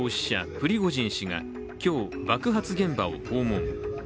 プリゴジン氏が今日、爆発現場を訪問。